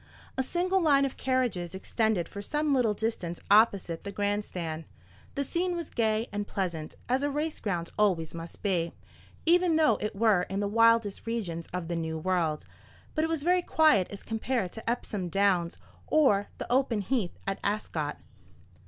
A single line of carriages extended for some little distance opposite the grand stand. The scene was gay and pleasant, as a race ground always must be, even though it were in the wildest regions of the New World; but it was very quiet as compared to Epsom Downs or the open heath at Ascot.